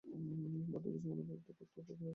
Portuguese মূলত একটি কর্তা-ক্রিয়া-কর্ম ভাষা।